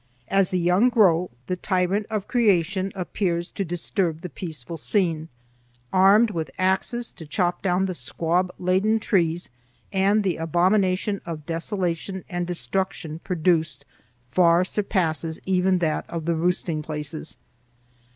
As the young grow, the tyrant of creation appears to disturb the peaceful scene, armed with axes to chop down the squab laden trees, and the abomination of desolation and destruction produced far surpasses even that of the roosting places."